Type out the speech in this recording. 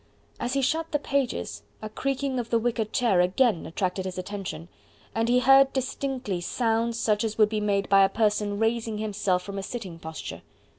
As he shut the pages a creaking of the wicker chair again attracted his attention, and he heard distinctly sounds such as would be made by a person raising himself from a sitting posture.